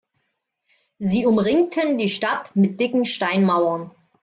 Sie umringten die Stadt mit dicken Steinmauern.